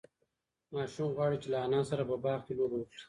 ماشوم غواړي چې له انا سره په باغ کې لوبه وکړي.